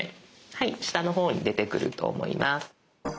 はい下の方に出てくると思います。